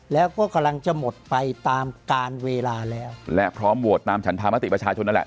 แล้วก็กำลังจะหมดไปตามการเวลาแล้วและพร้อมโหวตตามฉันธรรมติประชาชนนั่นแหละ